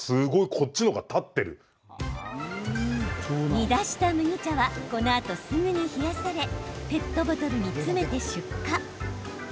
煮出した麦茶はこのあとすぐに冷やされペットボトルに詰めて出荷。